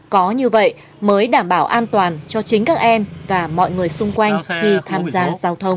có như vậy mới đảm bảo an toàn cho chính các em và mọi người xung quanh khi tham gia giao thông